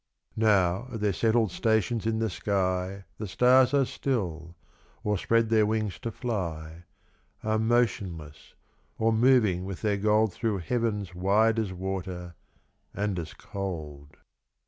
Now at their settled stations in the sky The stars are still, or spread their wings to fly, Are motionless, or moving with their gold Through Heavens wide as water, and as cold.